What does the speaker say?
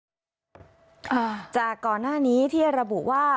จากก่อนหน้านี้ที่ระบุว่า